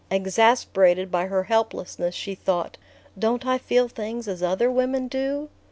Exasperated by her helplessness, she thought: "Don't I feel things as other women do?"